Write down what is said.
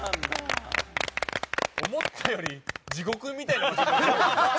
思ったより地獄みたいな場所。